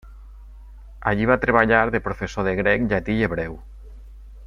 Allí va treballar de professor de grec, llatí i hebreu.